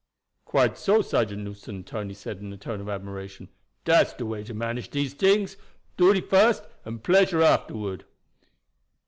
"Quite so, Sergeant Newson," Tony said in a tone of admiration. "Dat's de way to manage dese tings duty first and pleasure afterward."